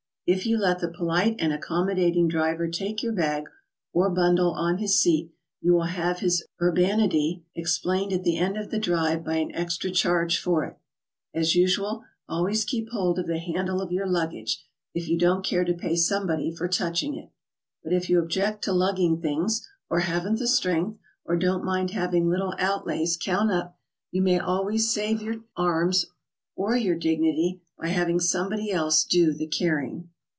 If you let the polite and accommodating driver take your bag or bundle on his seat, you will have his urbanity explained at the end of the drive by an extra charge for it. As usual, always keep hold of the handle of your luggage, if you don't care to pay somebody for touching it. But if you object 'to lugging things, or haven't the strength, or don't mind having little outlays count up, you may always save your arms or your dignity by having somebody else do the carrying.